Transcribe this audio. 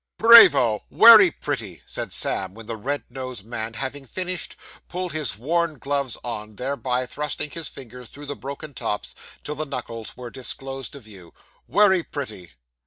'Brayvo; wery pretty!' said Sam, when the red nosed man having finished, pulled his worn gloves on, thereby thrusting his fingers through the broken tops till the knuckles were disclosed to view. 'Wery pretty.